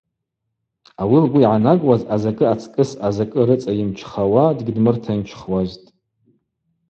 Ауи лгвы йгӏанагуаз азакӏы ацкӏыс азакӏы рыцӏа йымчхауа дгьдмыртынчхуазтӏ.